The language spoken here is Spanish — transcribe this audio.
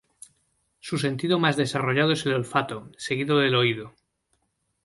Su sentido más desarrollado es el olfato, seguido del oído.